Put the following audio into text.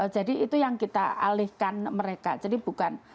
jadi itu yang kita alihkan mereka jadi bukan